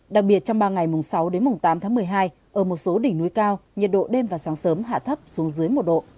đặc biệt trong ba ngày mùng sáu đến mùng tám tháng một mươi hai ở một số đỉnh núi cao nhiệt độ đêm và sáng sớm hạ thấp xuống dưới một độ